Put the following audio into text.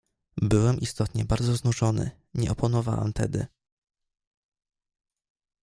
"Byłem istotnie bardzo znużony, nie oponowałem tedy."